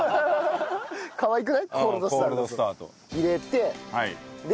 入れてで？